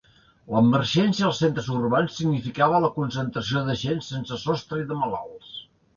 L"emergència als centres urbans significava la concentració de gent sense sostre i de malalts.